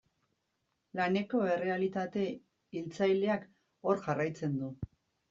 Laneko errealitate hiltzaileak hor jarraitzen du.